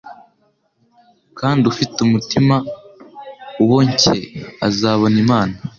kandi ufite umutima uboncye azabona Imana.